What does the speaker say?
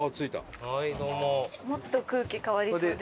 もっと空気変わりそうですね。